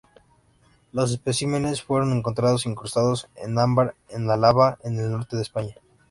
Los especímenes fueron encontrados incrustados en ámbar en Álava, en el norte de España.